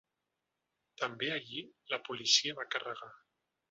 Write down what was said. També allí la policia va carregar.